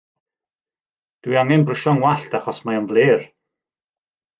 Dw i angen brwsio 'y ngwallt achos mae o'n flêr.